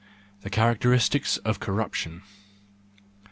The Characteristics of Corruption